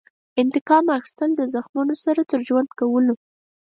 د انتقام اخیستل د زخمونو سره تر ژوند کولو.